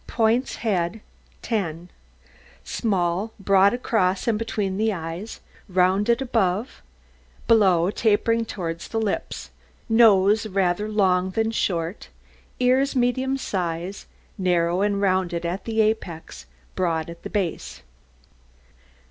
POINTS HEAD 10 Small, broad across and between the eyes, rounded above, below tapering towards the lips, nose rather long than short, ears medium size, narrow and rounded at the apex, broad at the base.